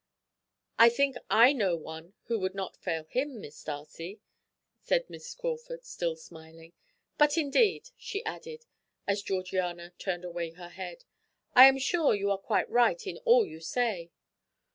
"I think I know one who would not fail him, Miss Darcy," said Miss Crawford, still smiling; "but, indeed," she added, as Georgiana turned away her head, "I am sure you are quite right in all you say.